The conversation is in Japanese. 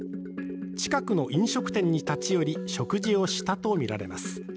近くの飲食店に立ち寄り、食事をしたとみられます。